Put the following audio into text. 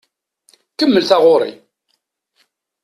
Kemmel taɣuṛi!